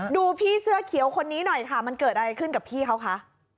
พี่เสื้อเขียวคนนี้หน่อยค่ะมันเกิดอะไรขึ้นกับพี่เขาคะ